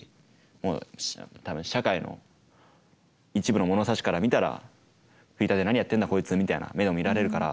もう多分社会の一部の物差しから見たらフリーターで何やってるんだこいつみたいな目で見られるから。